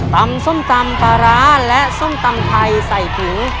ส้มตำปลาร้าและส้มตำไทยใส่ผิง